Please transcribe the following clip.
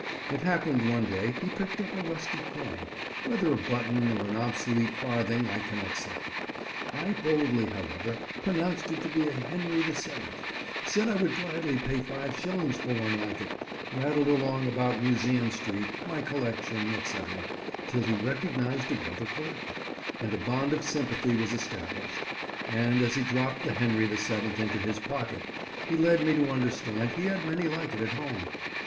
It happened one day he picked up a rusty coin—whether a button or an obsolete farthing I cannot say. I boldly, however, pronounced it to be a Henry the Seventh, said I would gladly pay five shillings for one like it, rattled along about Museum Street, my collection, etc., till he recognized a brother collector, and a bond of sympathy was established; and as he dropped the Henry the Seventh into his pocket, he led me to understand he had many like it at home.